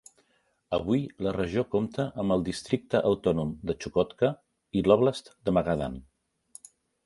Avui, la regió compta amb el districte autònom de Chukotka i l'óblast de Magadan.